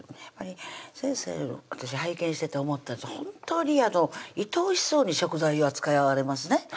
やっぱり先生私拝見してて思った本当にいとおしそうに食材を扱われますね